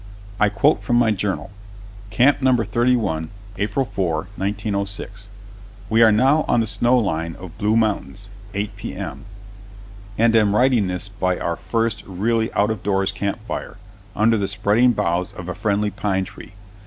I quote from my journal. "Camp No. 31, April 4, 1906. We are now on the snow line of Blue Mountains (8 P.M.), and am writing this by our first really out of doors camp fire, under the spreading boughs of a friendly pine tree.